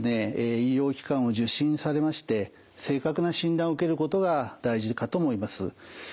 医療機関を受診されまして正確な診断を受けることが大事かと思います。